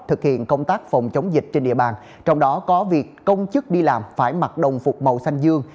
thực hiện công tác phòng chống dịch trên địa bàn trong đó có việc công chức đi làm phải mặc đồng phục màu xanh dương